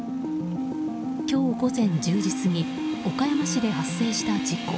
今日午前１０時過ぎ岡山市で発生した事故。